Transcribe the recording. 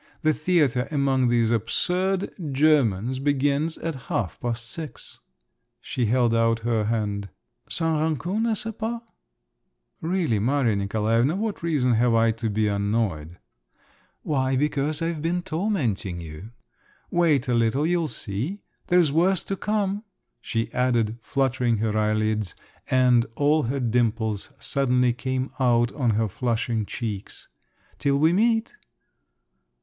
The theatre among these absurd Germans begins at half past six. She held out her hand. "Sans rancune, n'est ce pas?" "Really, Maria Nikolaevna, what reason have I to be annoyed?" "Why, because I've been tormenting you. Wait a little, you'll see. There's worse to come," she added, fluttering her eyelids, and all her dimples suddenly came out on her flushing cheeks. "Till we meet!"